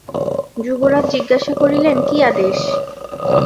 যুবরাজ জিজ্ঞাসা করিলেন, কী আদেশ।